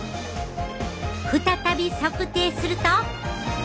再び測定すると。